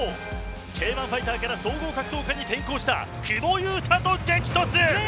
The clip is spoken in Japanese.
Ｋ‐１ファイターから総合格闘家に転向した久保優太と激突。